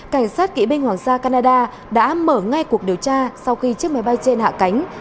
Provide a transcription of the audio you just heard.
cảnh sát kỵ binh hoàng gia canada đã mở ngay cuộc điều tra sau khi chiếc máy bay trên hạ cánh